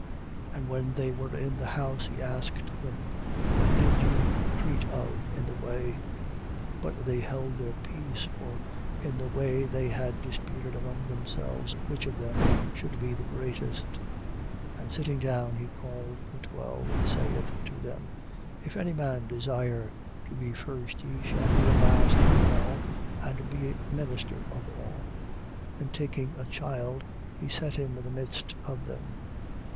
And when they were in the house, he asked them: What did you treat of in the way? 9:33. But they held their peace, for in the way they had disputed among themselves, which of them should be the greatest. 9:34. And sitting down, he called the twelve and saith to them: If any man desire to be first, he shall be the last of all and be minister of all. 9:35. And taking a child, he set him in the midst of them.